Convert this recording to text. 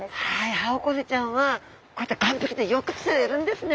ハオコゼちゃんはこういった岸壁でよく釣れるんですね。